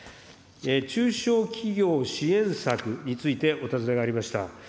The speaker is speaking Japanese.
中小企業支援策についてお尋ねがありました。